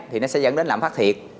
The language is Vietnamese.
thì nó sẽ dẫn đến lãm phát thiệt